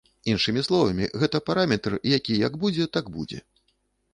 Іншымі словамі, гэта параметр, які як будзе, так будзе.